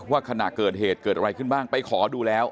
ขณะเกิดเหตุเกิดอะไรขึ้นบ้างไปขอดูแล้ว